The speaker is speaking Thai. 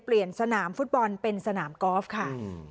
สนามฟุตบอลเป็นสนามกอล์ฟค่ะ